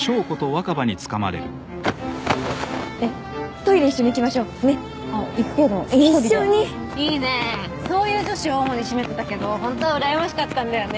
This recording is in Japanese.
トイレ一緒に行きましょうねっ行くけど１人で一緒にいいねそういう女子を主にシメてたけど本当は羨ましかったんだよね